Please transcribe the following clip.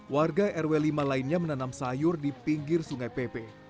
warga rw lima lainnya menanam sayur di pinggir sungai pepe